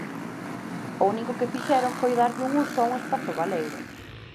O único que fixeron foi darlle un uso a un espazo baleiro.